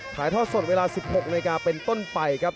ถ่ายทอดสดเวลา๑๖นาฬิกาเป็นต้นไปครับ